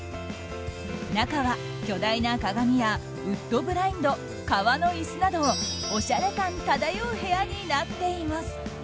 中は巨大な鏡やウッドブラインド皮の椅子などおしゃれ感漂う部屋になっています。